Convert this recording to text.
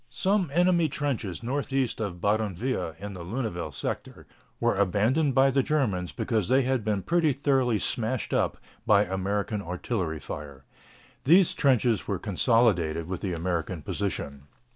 Some enemy trenches northeast of Badonviller, in the Lunéville sector, were abandoned by the Germans because they had been pretty thoroughly smashed up by American artillery fire. These trenches were consolidated with the American position.